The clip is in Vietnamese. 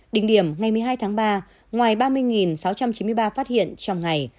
đỉnh điểm ngày một mươi hai tháng ba ngoài ba mươi sáu trăm chín mươi ba phát hiện trong ngày